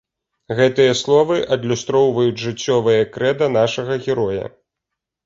Гэтыя словы адлюстроўваюць жыццёвае крэда нашага героя.